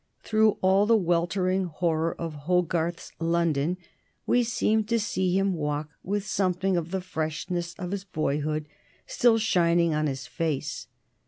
Through all the weltering horror of Hogarth's London we seem to see him walk with something of the freshness of his boyhood still shining on his face.